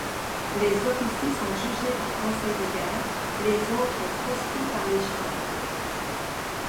Les officiers sont jugés par conseil de guerre, les autres proscrits par les Chambres.